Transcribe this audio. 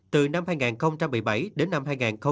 từ năm hai nghìn một mươi bảy đến năm hai nghìn hai mươi